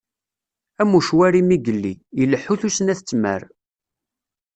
Am ucwari mi yelli, Ileḥḥu tusna tettmar.